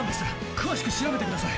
詳しく調べてください！